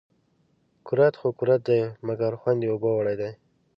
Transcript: کورت خو کورت دي ، مگر خوند يې اوبو وړى دى